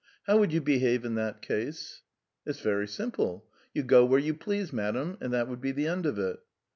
How would you behave in that case?" "It's very simple. 'You go where you please, madam' and that would be the end of it."